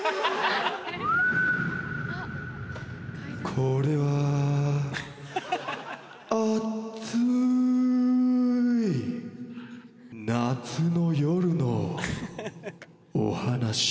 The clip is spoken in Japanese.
これは熱い夏の夜のお話。